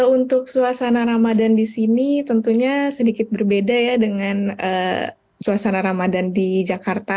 untuk suasana ramadan di sini tentunya sedikit berbeda ya dengan suasana ramadan di jakarta